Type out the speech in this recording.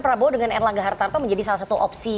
prabowo dengan erlangga hartarto menjadi salah satu opsi